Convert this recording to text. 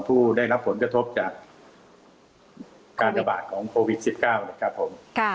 ผู้ได้รับผลกระทบจากการระบาดของโควิด๑๙นะครับผม